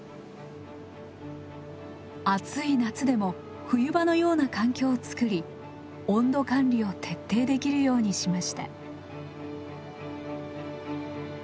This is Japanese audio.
暑い夏でも冬場のような環境を作り温度管理を徹底できるようにしました。